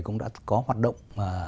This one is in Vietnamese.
cũng đã có hoạt động